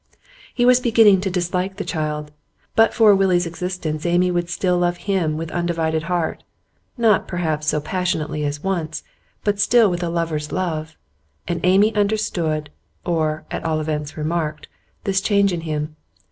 He was beginning to dislike the child. But for Willie's existence Amy would still love him with undivided heart; not, perhaps, so passionately as once, but still with lover's love. And Amy understood or, at all events, remarked this change in him.